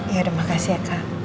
ya udah makasih ya kak